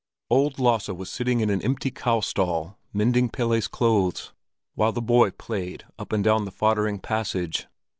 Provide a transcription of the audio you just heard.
Old Lasse was sitting in an empty cow stall, mending Pelle's clothes, while the boy played up and down the foddering passage.